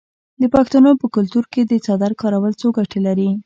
د پښتنو په کلتور کې د څادر کارول څو ګټې لري.